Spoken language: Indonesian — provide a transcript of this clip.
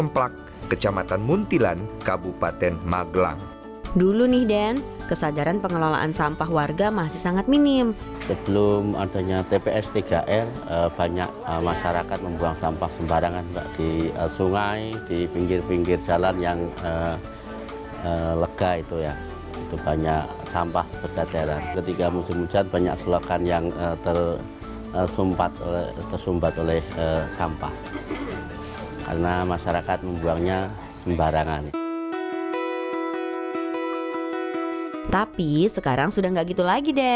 plastiknya akan buat nyalain itu biar cepat nyala